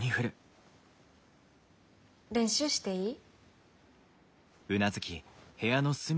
練習していい？